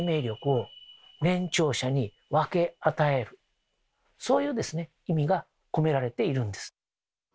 それはこれはそういう意味が込められているんです。